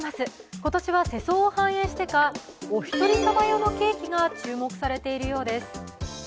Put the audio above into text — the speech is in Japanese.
今年は世相を反映してか、お一人様用のケーキが注目されているようです。